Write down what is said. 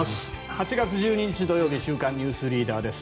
８月１２日、土曜日「週刊ニュースリーダー」です。